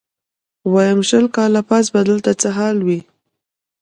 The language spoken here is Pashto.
ويم شل کاله پس به دلته څه حال وي.